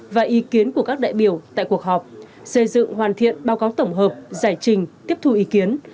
và ý kiến của các đại biểu tại cuộc họp xây dựng hoàn thiện báo cáo tổng hợp giải trình tiếp thu ý kiến